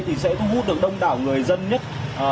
thì sẽ thu hút được đông đảo người dân nhất